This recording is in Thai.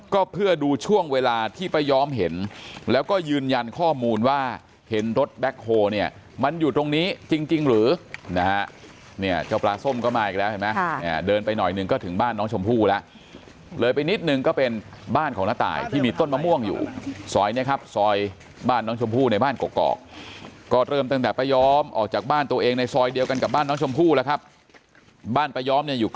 ก็เพื่อดูช่วงเวลาที่ป้าย้อมเห็นแล้วก็ยืนยันข้อมูลว่าเห็นรถแบล็กโฮเนี่ยมันอยู่ตรงนี้จริงหรือนะเจ้าปลาส้มก็มาอีกแล้วเห็นมั้ยเดินไปหน่อยหนึ่งก็ถึงบ้านน้องชมพู่แล้วเลยไปนิดหนึ่งก็เป็นบ้านของน้าต่ายที่มีต้นมะม่วงอยู่ซอยเนี่ยครับซอยบ้านน้องชมพู่ในบ้านกอกก็เริ่มตั้งแต่ป้าย้อ